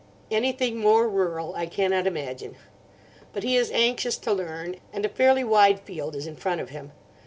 Anything more rural I cannot imagine. But he is anxious to learn, and a fairly wide field is in front of him.